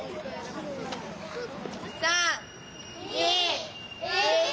３２１。